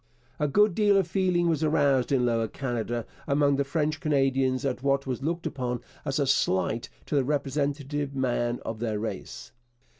A good deal of feeling was aroused in Lower Canada among the French Canadians at what was looked upon as a slight to the representative man of their race.